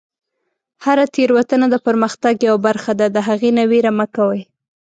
هره تیروتنه د پرمختګ یوه برخه ده، د هغې نه ویره مه کوئ.